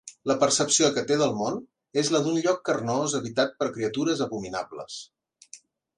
La percepció que té del món és la d'un lloc carnós habitat per criatures abominables.